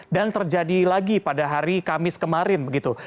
dan terjadi lagi pada hari kamis kemarin